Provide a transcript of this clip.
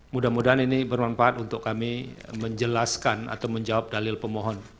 mudah mudahan ini bermanfaat untuk kami menjelaskan atau menjawab dalil pemohon